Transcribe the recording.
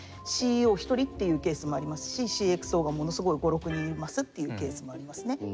一人っていうケースもありますしＣｘＯがものすごい５６人いますっていうケースもありますね。